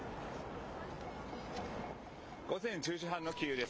午前１０時半のキーウです。